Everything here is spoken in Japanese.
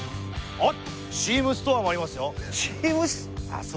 あっ！